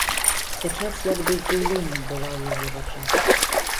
Пячаць як бы здзіўлення была ў яе вачах.